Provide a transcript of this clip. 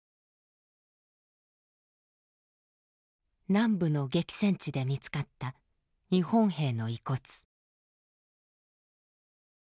南部の激戦地で見つかった日本兵の遺骨。